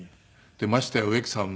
ましてや植木さん